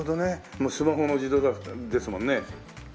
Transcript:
もうスマホの時代ですもんね。